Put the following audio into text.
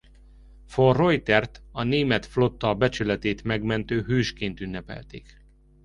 Von Reutert a német flotta becsületét megmentő hősként ünnepelték.